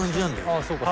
ああそうか。